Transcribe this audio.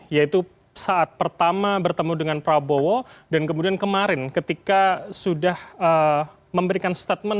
yaitu saat pertama bertemu dengan prabowo dan kemudian kemarin ketika sudah memberikan statement